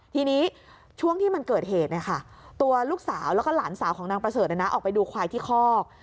ทีนี้ช่วงที่มันเกิดเหตุตัวลูกสาวแล้วก็หลานสาวของนางประเสริฐออกไปดูควายที่คอก